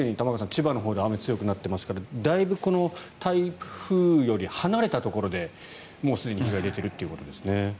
千葉のほうで雨が強まっていますからだいぶこの台風より離れたところですでに被害が出ているということですね。